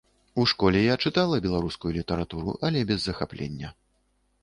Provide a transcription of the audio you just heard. У школе я чытала беларускую літаратуру, але без захаплення.